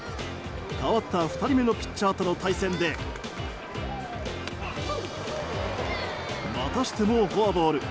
代わった２人目のピッチャーとの対戦でまたしてもフォアボール。